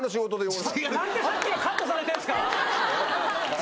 何でさっきのカットされてるんですか！